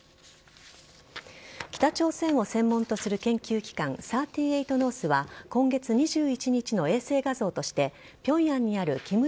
北朝鮮を専門とする研究機関、３８ノースは、今月２１日の衛星画像として、ピョンヤンにある金日